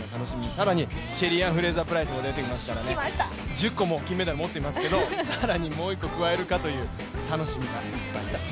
更にシェリーアン・フレイザープライスも出てきますから、１０個も金メダル持っていますけれども、更にもう一個加えるかという楽しみがあります。